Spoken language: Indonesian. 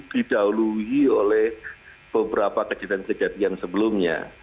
didahului oleh beberapa kejadian kejadian sebelumnya